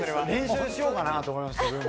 練習しようかなと思いました。